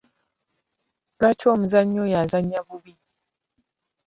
Lwaki omuzannyi oyo azannya bubi?